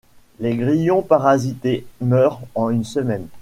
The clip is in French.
Les grillons parasités meurent en une semaine.